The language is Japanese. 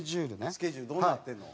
スケジュールどうなってるの？